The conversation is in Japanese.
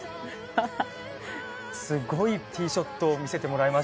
すごいティーショットを見せてもらいましたよね。